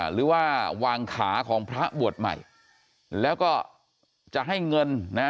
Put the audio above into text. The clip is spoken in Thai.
หรือว่าวางขาของพระบวชใหม่แล้วก็จะให้เงินนะ